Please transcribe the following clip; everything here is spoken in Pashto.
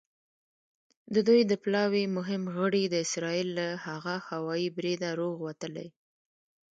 د دوی د پلاوي مهم غړي د اسرائیل له هغه هوايي بریده روغ وتلي.